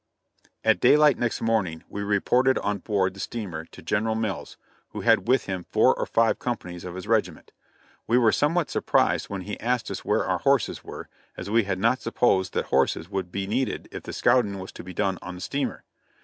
At daylight next morning we reported on board the steamer to General Mills, who had with him four or five companies of his regiment. We were somewhat surprised when he asked us where our horses were, as we had not supposed that horses would be needed if the scouting was to be done on the steamer.